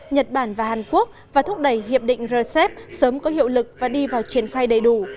nhật bản và hàn quốc và thúc đẩy hiệp định rcep sớm có hiệu lực và đi vào triển khai đầy đủ